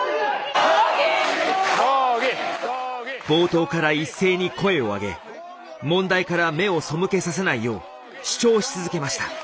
冒頭から一斉に声をあげ問題から目を背けさせないよう主張し続けました。